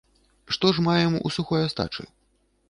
Што ж маем у сухой астачы?